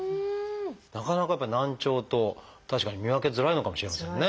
なかなかやっぱ難聴と確かに見分けづらいのかもしれませんね。